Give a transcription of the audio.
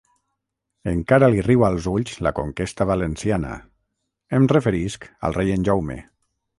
Encara li riu als ulls la conquesta valenciana; em referisc al rei en Jaume.